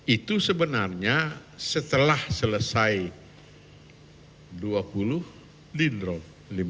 itu sebenarnya setelah selesai dua puluh di drop lima belas